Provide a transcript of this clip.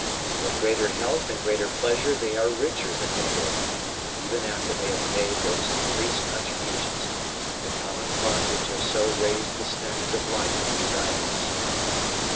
With greater health and greater pleasure they are richer than before, even after they have paid those increased contributions to the common fund which have so raised the standard of life in these islands.